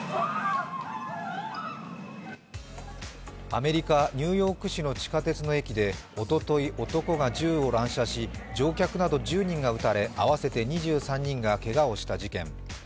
アメリカ・ニューヨーク市の地下鉄の駅でおととい男が銃を乱射し、乗客など１０人が撃たれ、合わせて２３人がけがをした事件。